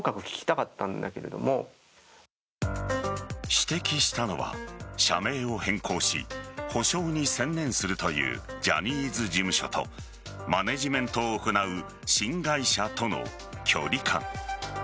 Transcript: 指摘したのは、社名を変更し補償に専念するというジャニーズ事務所とマネジメントを行う新会社との距離感。